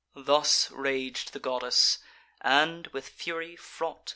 Thus rag'd the goddess; and, with fury fraught.